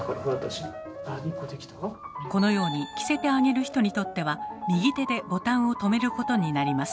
このように着せてあげる人にとっては右手でボタンを留めることになります。